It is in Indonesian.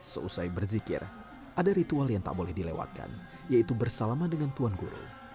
seusai berzikir ada ritual yang tak boleh dilewatkan yaitu bersalaman dengan tuan guru